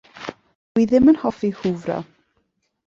Dw i ddim yn hoffi hwfro.